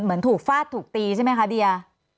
เหมือนถูกฟาดถูกตีใช่ไหมคะเบียร์